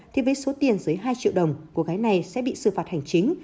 thì với số tiền dưới hai triệu đồng cô gái này sẽ bị xử phạt hành chính